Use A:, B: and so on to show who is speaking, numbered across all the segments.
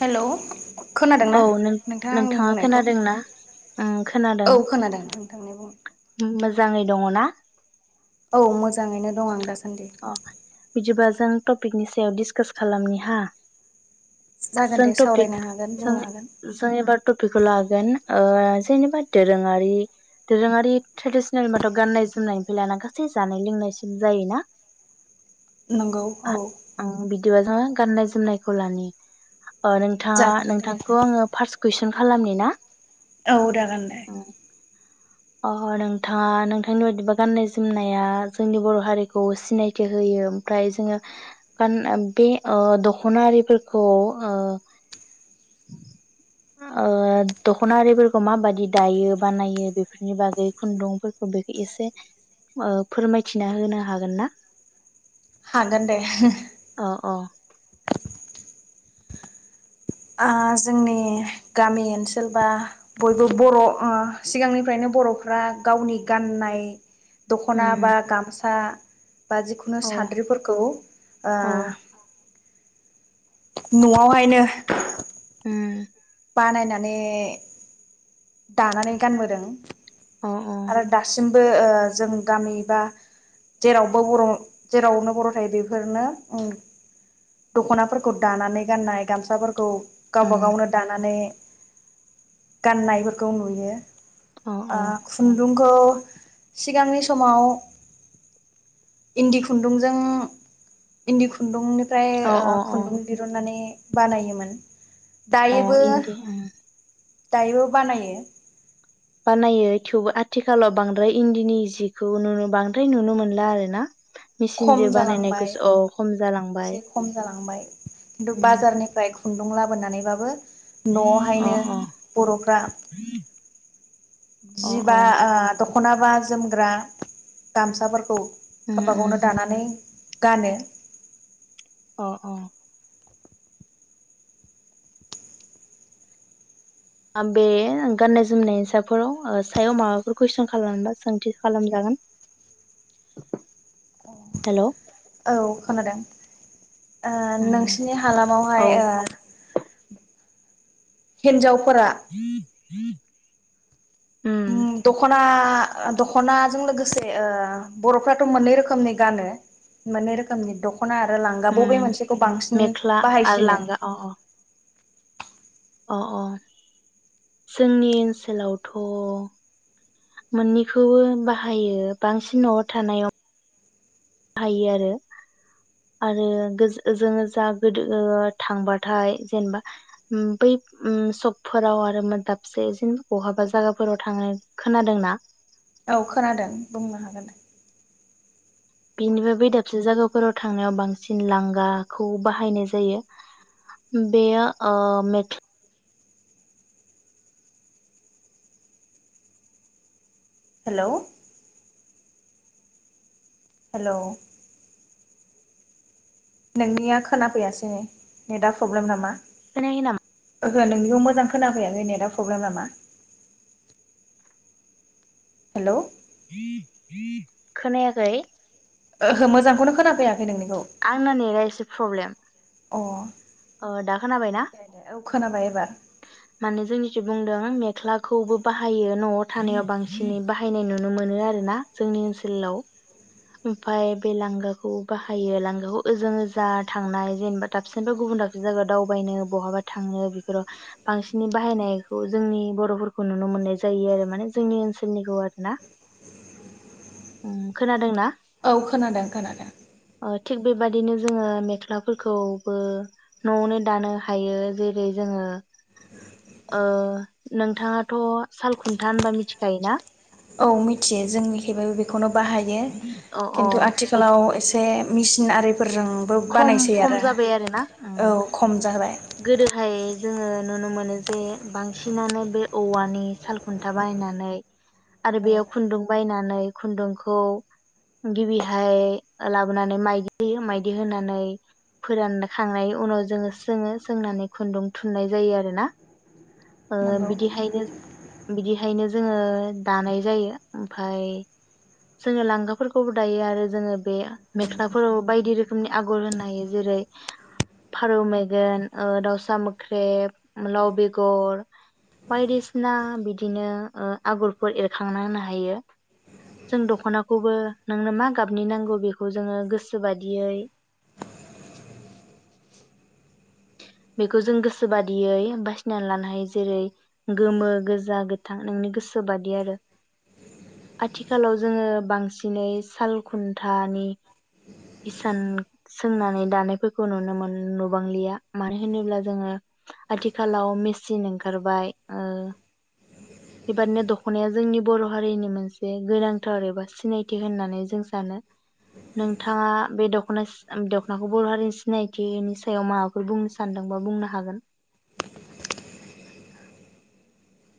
A: Hello खोनादोंना
B: औ
A: आंनि
B: नोंथाङा
A: बुंनायखौ
B: खोनादोंना ओम खोनादों
A: औ खोनादों नोंथांनि बुंनायखौ
B: मो मोजाङै दङ ना?
A: औ मोजाङैनो दं आं दासान्दि।
B: अ बिदिबा जों टपिकनि सायाव डिसकास खालामनि हा
A: जागोन
B: जों
A: दे
B: टपिक
A: सावरायनो हागोन
B: जों
A: बुंनो हागोन
B: जों एबार टपिकखौ लागोन ओ जेनेबा दोरोङारि दोरोङारि ट्रेडिसनेल होमबाथ गान्नाय जोमनायनिफ्राय लाना गासै जानाय लोंनायसिम जायोना
A: नंगौ औ
B: आं बिदिबा जोङो गाननाय जोमनायखौ लानि ओ नोंथाङा
A: जागोन
B: नो
A: दे
B: नोंथांखौ आङो फारस कुइसन खालामनि ना
A: औ [unintelligible] गाननाय
B: ओ अ नोंथाङा नोंथांनि बायदिबा गाननाय जोमनाया जोंनि बर हारिखौ सिनायथि होयो ओमफ्राय जोङो गान बे ओ दखना आरिफोरखौ ओ ओ दखना आरिफोरखौ माबादि दायो बानायो बेफोरनि बागै खुन्दुंफोरखौ बेखौ एसे ओ फोरमायथिना होनो हागोन ना
A: हागोन दे
B: अ अ
A: आ जोंनि गामि ओनसोल बा बयबो बर ओ सिगांनिफ्रायनो बरफ्रा गावनि गाननाय दखना
B: उम
A: बा गामसा बा जिखुनु
B: औ
A: साद्रिफोरखौ ओ
B: औ
A: नआवहायनो
B: उम
A: बानायनानै दानानै गानबोदों
B: अ अ
A: आरो दासिम बो ओ जों गामि बा जेरावबो बर जेरावनो बर थायो बेफोरनो उम दखनाफोरखौ दानानै गाननाय गामसाफोरखौ गावबा
B: उम
A: गावनो दानानै गाननायफोरखौ नुयो
B: अ
A: ओ
B: अ
A: खुन्दुंखौ सिगांनि समाव इन्दि खुन्दुंजों इन्दि खुन्दुंनि फ्राय
B: अ
A: ओ
B: अ अ
A: खुन्दुं दिरुननानै बानायोमोन
B: अ
A: दायोबो
B: इन्दि उम
A: दायोबो बानायो
B: बानायो थेवबो आथिखालाव बांद्राय इन्दिनि जिखौ नु बांद्राय नुनो मोनला आरो ना
A: खम
B: मेचिनजों
A: जालांबाय
B: बानायनायखौसो औ खम जालांबाय
A: एसे खम जालांबाय खिन्थु
B: उम
A: बाजारनिफ्राय खुन्दुं लाबोनानैबाबो
B: अ
A: नआवहायनो
B: अ
A: बरफ्रा
B: अ अ
A: जिबा ओ दख दखनाबा जोमग्रा गामसाफोरखौ
B: उम
A: गाबा गावनो दानानै गानो
B: अ अ आ बे गाननाय जोमनाय साफोराव ओ सायाव माबाफोर कुइसन खालामनोबा सोंथि खालाम जागोन । हेलौ
A: औ खोनादों ।
B: उम
A: ओ नोंसिनि हालामाव
B: औ
A: हाय ओ हिनजाव फोरा
B: [inaudible]
A: उम दखना ना दखनाजों लोगोसे ओ बर'फ्राथ' मोननै रोखोमनि गानो मोननै रोखोमनि दख दख'ना आरो लांगा
B: उम
A: बबे मोनसेखौ बांसिन
B: मेख्ला आरो
A: बाहायसिनो ।
B: लांगा अ अ अ अ जोंनि ओनसोलावथ' मोननैखौबो बाहायो बांसिन न'आव थानायाव बाहायो आरो आरो गोज जोङो जा गोदो ओ थांबाथाय जेनेबा उम बै उम सकफोराव आरो दाबसे इजोंनो बहाबा जायगाफोराव थांनो खोनादों ना
A: औ खोनादों बुंनो हागोन।
B: बेनिफ्राय बे दाबसे जायगाफोराव थांनायाव बांसिन लांगाखौ बाहायनाय जायो बेयो ओ मेख
A: हेलौ हेलौ नोंनिया खोनाफैयासै नेदा प्रब्लेम नामा
B: खोनायाखै नामा
A: ओहो नोंनिखौ मोजां खोनाफैयाखै नेदा प्रब्लेम नामा हेलौ
B: खोनायाखै
A: ओहो मोजांखौनो खोनाफैआ
B: आं ना नेदा एसे प्रब्लेम
A: अ
B: आ दा खोनाबायना
A: दे दे औ खोनाबाय एबार
B: माने जोंनि बुंदों मेख्लाखौबो बाहायो न'आव थानायाव बांसिनै बाहायनाय नुनो मोनो आरोना जोंनि ओनसोलाव । ओमफाय बे लांगाखौ बाहायो लांगाखौ ओजों ओजा थांनाय जेनेबा दाबसेनिफ्राया गुबुन दाबसे जायगायाव दावबायनो बहाबा थांनो बेफोराव बांसिनै बाहायनायखौ जोंनि बर'फोरखौ नुनो मोननाय जायो आरो माने जोंनि ओनसोलनिखौ आरो ना उम खोनादोंना
A: औ खोनादों खोनादों ।
B: ओ थिग बेबायदिनो जोङो मेख्लाफोरखौबो न'आवनो दानो हायो जेरै जोङो ओ नोंथाङाथ' सालखुन्था होनबा मिथिखायोना ।
A: औ मिथियो जोंनिखैबो बेखौनो बाहायो
B: अ अ
A: खिन्थु
B: बे
A: आथिखालाव एसे मिस सिन आरिफोरजोंबो
B: खम
A: बानायसै
B: खम
A: आरो
B: जाबाय आरोना उम
A: औ खम जाबाय ।
B: गोदोहाय जोङो नुनो मोनो जे बांसिनानो बे औवानि सालखुन्था बायनानै आरो
A: औ
B: बेयाव खुन्दुं बायनानै खुन्दुंखौ गिबिहाय लाबोनानै माइदि होयो माइदि होनानै फोरानखांनायनि उनाव जोङो सोङो । सोंनानै खुन्दुं थुननाय जायो आरोना ओ
A: नंगौ
B: बिदिहायनो बिदिहायनो जोंङों दानाय जायो ओमफाय जोंङो लांगाफोरखौबो दायो आरो जोंङो बे मेख्लाफोराव बायदि रोखोमनि आगर होनो हायो। जेरै- फारौ मेगन औ दाउसा मोख्रेब लाव बेगर बायदिसिना बिदिनो ओ आगरफोर एरखांना होनो हायो जों दख'नाखौबो नोंनो मा गाबनि नांगौ बेखौ जोंङो गोसो बादियै बेखौ जों गोसो बादियै बासिनानै लानो हायो जेरै गोमो गोजा गोथां नोंनि गोसो बादि आरो। आथिखालाव जोंङो बांसिनै साल खुन्थानि इसान सोंनानै दानायफोरखौ नुनो मोन बांलिया। मानो होनोब्ला जोंङो आथिखालाव मेसिन ओंखारबाय ओ बेबादिनो दखनाया जोंनि बर' हारिनि मोनसे गोनांथार एबा सिनायथि होननानै जों सानो। नोंथांङा बे दख'ना दख'नाखौ बर' हारिनि सिनायथिनि सायाव माबा फोर बुंनो सानदोंबा बुंनो हागोन।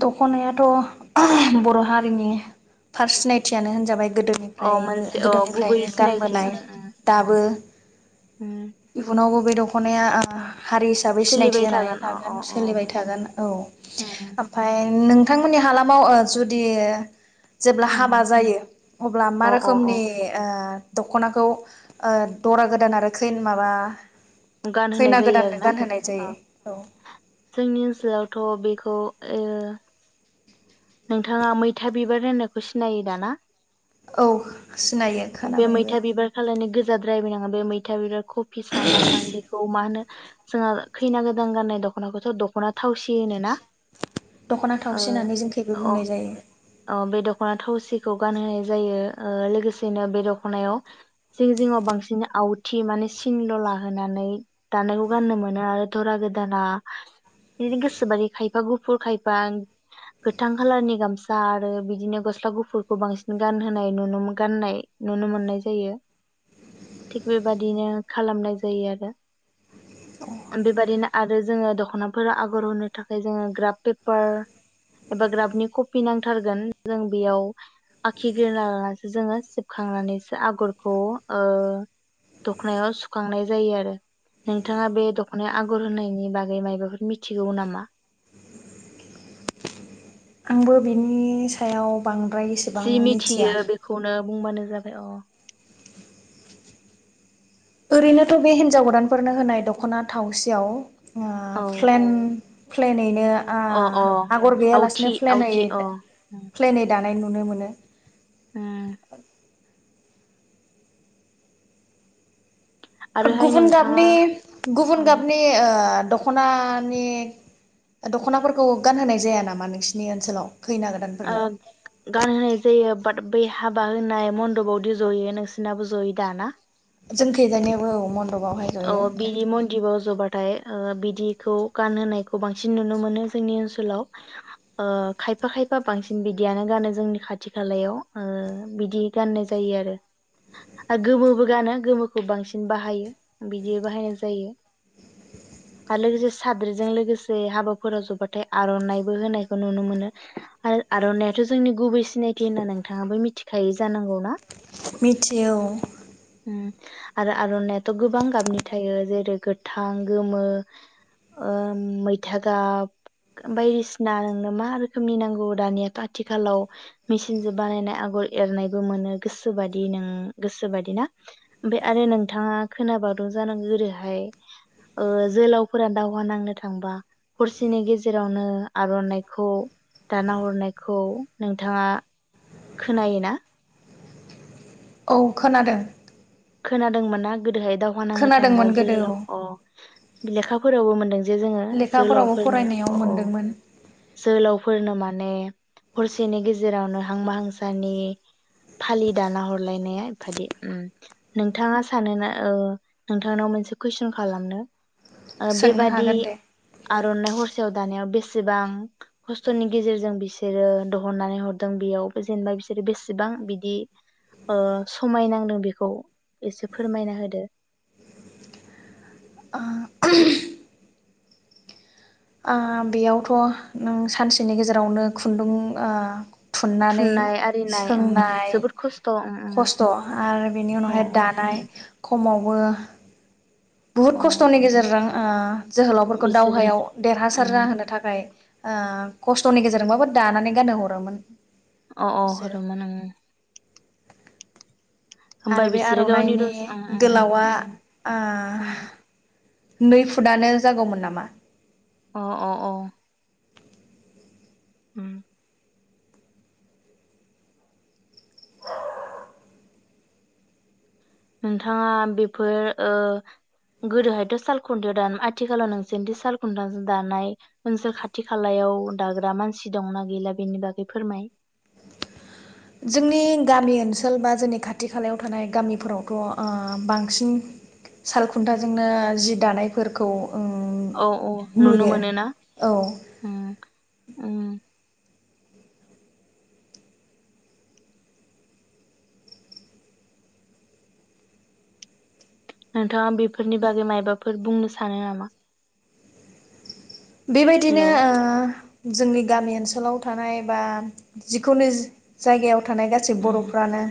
A: दखनायाथ' बर' हारिनि थार सिनायथियानो होनजाबाय
B: अ
A: गोदोनिफ्रायबो
B: मोनसे अ गुबै
A: गोदोनिफ्रायनो
B: सिनायथि उम
A: गानबोनाय
B: उम
A: दाबो
B: उम
A: इउनावबो बेै दख खनाया ओ हारि हिसाबै सिनायथि
B: सोलिबाय
A: जानानै
B: अ
A: थागोन
B: अ अ
A: सोलिबाय थागोन औ
B: उम
A: एन नोंथांमोननि हालामाव ओ जुदि जेब्ला हाबा
B: उम
A: जायो अब्ला मा
B: अ अ
A: रोखोमनि ओ दख'नाखौ ओ दरा गोदान आरो खै माबा
B: गानहोनाय
A: खैना
B: जायो आरो
A: गोदाननो
B: ना
A: गानहोनाय
B: ओ
A: जायो औ
B: जोंनि ओनसोलावथ' बे खौ ओ नोंथांङा मैथा बिबार होननायखौ सिनायो दा ना?
A: औ सिनायो खोनाबायबो
B: जाद्रायबो नंङा बे मैथा बिबार कपि सां मासां बेखौ मा होनो जोंहा खैना गोदान गाननाय दख'नाखौथ' दख'ना थावसि होनो ना?
A: दख'ना थावसि होननानै जों बो
B: अ
A: बुंनाय जायो।
B: ओ बे दख'ना थावसिखौ गानहोनाय जायो ओ लोगोसेनो बे दख'नायाव जिं जिङाव बांसिन आवथि माने सिन दलाहोनानै दानायखौ गाननो मोनो आरो दरा गोदाना बिनो गोसोबायदि खायफा गुफुर खायफा गोथां खालारनि गामसा आरो बिदिनो गस्ला गुफुरखौ बांसिन गानहोनाय नुनो गाननाय नुनो मोननाय जायो थिग बेबादिनो खालामनाय जायो आरो। बे बादिनो आरो जोंङो दख'नाफोरा आगर होनो थाखाय जोंङो ग्राफ पेपार एबा ग्राफनि कप फिनांथारगोन जों बेयाव आखि ग्रोना लानानैसो जोंङो सिबखांनानैसो आगरखौ ओ दख'नायाव सुखांनाय जायो आरो। नोंथांङा बे दख'नायाव आगर होननायनि बागै मायबाफोर मिथिगौ नामा?
A: आंबो बिनि सायाव बांद्राय एसेबां
B: जि
A: मिथिया
B: मिथियो बेखौनो बुंबानो जाबाय अ
A: ओरैनोथ' बे हिनजाव गोदानफोरनो होनाय दख'ना थावसियाव ओ
B: औ
A: फ्लेन फ्लेनै नो आ
B: अ अ
A: आगर गैया
B: आवथि
A: लासिनो फ्लेनै
B: आवथि अ
A: दा दानाय‌ नुनो मोनो।
B: उम आरोहाय
A: गुबुन
B: नोंथाङा
A: गाबनि
B: अ
A: गुबुन गाबनि ओ दख'नानि दख'नाफोरखौ गानहोनाय जाया नामा नोंसिनि ओनसोलाव? खैना
B: ओ
A: गोदानफोरनो
B: गानहोनाय जायो। बाट बै हाबा होनाय मन्दपावदि जयो नोंसिनाबो जयो दा ना?
A: जों खैजानायाव औ मन
B: औ बिनि मन्दबाव जबाथाय ओ बिदिखौ गानहोनायखौ बांसिन नुनो मोनो जोंनि ओनसोलाव ओ खायफा खायफा बांसिन बिदियानो गानो जोंनि खाथि खालायाव ओ बिदि गाननाय जायो आरो गोमोबो गानो गोमोखौ बांसिन बाहायो। बिदि बाहायनाय जायो आरो लोगोसे साद्रिजों लोगोसे हाबाफोराव जबाथाय आर'नाइबो होनायखौ नुनो मोनो आरो आर'नायाथ' जोंनि गुबै सिनायथि होनना नोंथाङाबो मिथिखायो जानांगौना।
A: मिथियो औ।
B: उम आरो आर'नाइ आथ' बां गाबनि थायो जेरै गोथां गोमो ओ मैथा गाब बायदिसिना नोंनो मा रोखोमनि नांगौ दानियाथ' आथिखालाव मेसिनजों बानायनाय आगर एरनायबो मोनो गोसोबादि नों गोसोबादि ना ओमफ्राय आरो नोंथाङा खोनाबावदों जानांगौ गोदोहाय ओ जोलावफोरा दावहा नांनो थांबा हरसेनि गेजेरावनो आर'नानायखौ दाना हरनायखौ नोंथाङा खोनायो ना?
A: औ खोनादों।
B: खोनादोंमोन ना गोदोहाय दावहा नांनो थांबा
A: खोनादोंमोन गोदो औ
B: जोहोलाव अ लेखा फोरावबो मोनदों। जे जोङो
A: लेखाफोरावबो फरायनायाव मोनदोंमोन।
B: जोलावफोरनो माने हरसेनि गेजेरावनो हांमा हांसानि फालि दाना हरलायनाया बादि उम नोंथाङा सानोना ओ नोंथांनाव मोनसे कुइसन खालामनो। ओ
A: सोंनो
B: बेबादि
A: हागोन दे
B: आर'नाइ हर खुसेयाव दानायाव बेसेबां खस्थ'नि गेजेरजों बिसोरो दहननानै हरदों बेयाव जेनेबा बिसोरो बेसेबां बिदि ओ समायनांदों बेखौ एसे फोरमायना होदो।
A: ओ ओ बेयावथ' नों सानसेनि गेजेरावनो खुन्दुं ओ थुननानै
B: थुननाय आरिनाय उम
A: सोंनाय
B: जोबोद खस्थ' उम उम
A: खस्थ' आरो बिनि
B: अ
A: उनावहाय दानाय खमाव बो। बुहुत
B: अ
A: खस्थ'नि गेजेरजों ओ जोहोलावफोरखौ
B: बिसोरो
A: दावहायाव देरहासार
B: उम
A: जाहोनो थाखाय ओ खस्थ'नि गेजेरजोंबाबो दानानै गान हरोमोन।
B: अ अ
A: बिसोरो
B: होदोंमोन ओं ओंं। होमबा
A: आरो बे
B: बिसोरो गावनि
A: आर'नाइनि
B: रस उम उम
A: गोलावा
B: उम
A: ओ
B: उम
A: नै फुटानो जागौमोन नामा?
B: अ अ अ। उम। नोंथाङा बेफोर ओ गोदोहायथ' सालखुनथायाव दाना आथिखालाव नोंसोरथि सालखुनथाजो दानाय ओनसोल खाथि खालायाव दाग्रा मानसि दंना गैला बेनि बागै फोरमाय।
A: जोंनि गामि ओनसोल बा जोंनि खाथि खालायाव थानाय गामिफोरावथ' ओ बांसिन सालखुन्थाजोंनो जि दानायफोरखौ ओम
B: औ औ नुनो
A: नुयो
B: मोनोना
A: औ
B: उम उम। नोंथाङा बि फोरनि बागै माइबा फोर बुंनो सानो नामा?
A: बेबायदिनो
B: हेलौ
A: ओ जोंनि गामि ओनसोलाव थानाय बा जिखुनु जायगायाव थानाय गासै
B: उम
A: बर'फ्रानो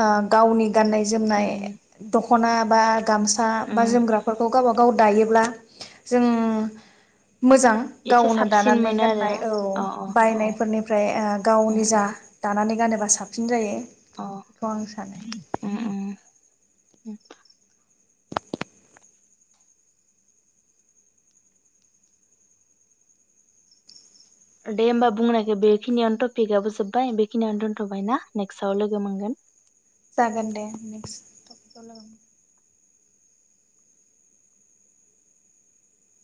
A: ओ गावनि गाननाय जोमनाय
B: उम
A: दख'ना बा गामसा
B: उम
A: बा जोमग्राफोरखौ गावबा गाव दायोब्ला जों मोजां
B: एसे
A: गावनो
B: साबसिन
A: दानानै
B: मोनो आरो
A: गाननाय औ
B: अ अ अ
A: बायनायफोरनिफ्रा य ओ
B: उम
A: गावनि जा
B: उम
A: दानानै गानो बा साबसिन जायो ।
B: अ
A: बेखौ आं सानो ।
B: उ दे होमबा बुंनायखो बेखिनियावनो टपिकआबो जोब्बाय बेखिनियावनो दोनथ'बाय ना नेक्सआव लोगो मोनगोन ।
A: जागोन दे नेक्स टपिकाव लोगो